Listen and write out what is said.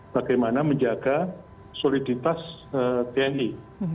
bagaimana menjaga soliditas tni